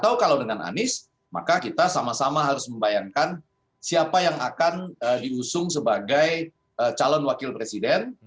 atau kalau dengan anies maka kita sama sama harus membayangkan siapa yang akan diusung sebagai calon wakil presiden